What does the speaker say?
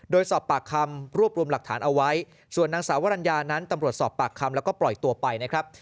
โดยสอบปากคำรวบรวมหลักฐานเอาไว้ส่วนนางสาววรรณญานั้นตำรวจสอบปากคำแล้วก็ปล่อยตัวไปนะครับ